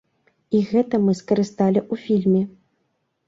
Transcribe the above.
І гэта мы скарысталі ў фільме.